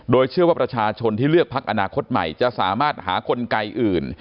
โดยเชื่อว่าประชาชนที่เลือกพักอนาคตใหม่จะสามารถหากลไกอื่น